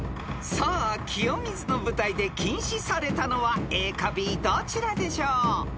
［さあ清水の舞台で禁止されたのはＡかＢどちらでしょう？］